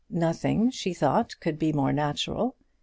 Nothing, she thought, could be more natural.